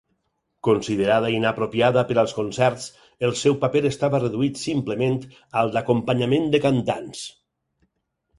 Considerada inapropiada per als concerts, el seu paper estava reduït simplement al d'acompanyament de cantants.